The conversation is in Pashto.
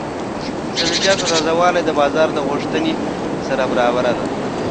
د سبزیجاتو تازه والي د بازار د غوښتنې سره برابره ده.